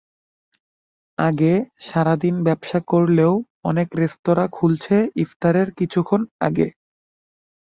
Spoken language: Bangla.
আগে সারা দিন ব্যবসা করলেও অনেক রেস্তোরাঁ খুলছে ইফতারের কিছুক্ষণ আগে।